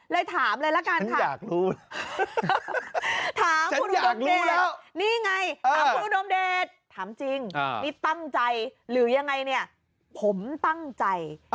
เลยถามเลยละกันค่ะ